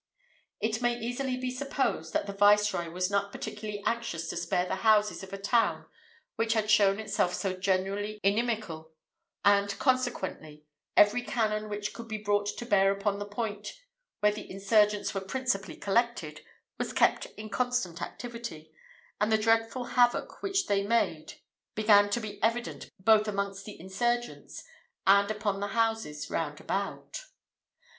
It may easily be supposed, that the viceroy was not particularly anxious to spare the houses of a town which had shown itself so generally inimical, and, consequently, every cannon which could be brought to bear upon the point where the insurgents were principally collected, was kept in constant activity, and the dreadful havoc which they made began to be evident both amongst the insurgents and upon the houses round about.